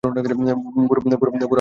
বুড়ো আঙ্গুলের সমান্তরালে।